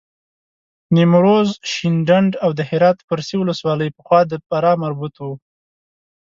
نیمروز، شینډنداو د هرات فرسي ولسوالۍ پخوا د فراه مربوط وه.